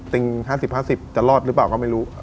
๕๐๕๐จะรอดหรือเปล่าก็ไม่รู้